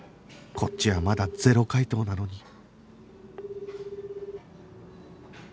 こっちはまだゼロ回答なのに